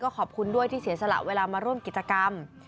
ขอบคุณด้วยที่เสียสละเวลามาร่วมกิจกรรม